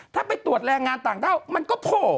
ถ้าไปตรวจแรงงานต่างด้าวมันก็โผล่